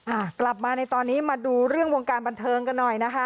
อ่ากลับมาในตอนนี้มาดูเรื่องวงการบันเทิงกันหน่อยนะคะ